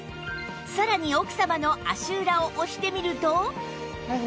さらに奥様の足裏を押してみると